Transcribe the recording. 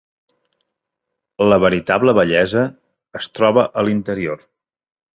La veritable bellesa es troba a l'interior.